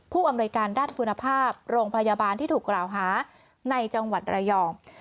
อำนวยการด้านคุณภาพโรงพยาบาลที่ถูกกล่าวหาในจังหวัดระยอง